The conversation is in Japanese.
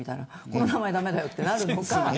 この名前、駄目だよとなるのか。